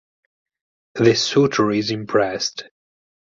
The suture is impressed.